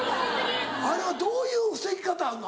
あれはどういう防ぎ方あんの？